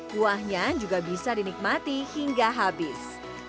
kuahnya juga bisa dinikmati hingga habis